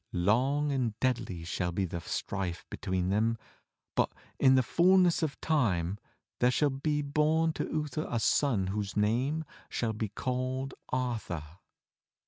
Long and deadly shall be the strife betw^een them, but in the fulness of time there shall be born to LTther a son whose name shall be called ARTHUR.